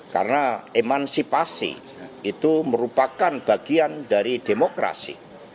karena emansipasi itu merupakan bagian dari demokrasi